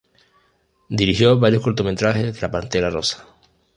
Dirigió varios cortometrajes de la pantera rosa.